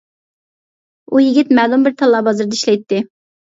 ئۇ يىگىت مەلۇم بىر تاللا بازىرىدا ئىشلەيتتى.